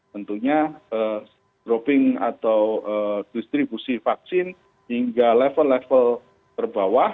tentunya dropping atau distribusi vaksin hingga level level terbawah